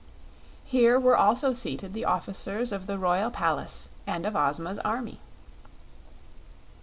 Here were also seated the officers of the royal palace and of Ozma's army.